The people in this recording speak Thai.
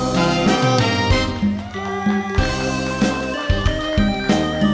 เพลง